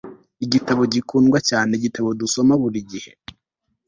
igitabo gikundwa cyane, igitabo dusoma buri gihe